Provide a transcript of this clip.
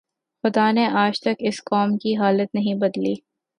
خدا نے آج تک اس قوم کی حالت نہیں بدلی